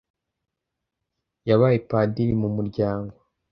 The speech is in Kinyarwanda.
yabaye padiri mu muryango